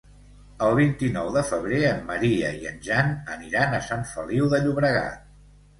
El vint-i-nou de febrer en Maria i en Jan aniran a Sant Feliu de Llobregat.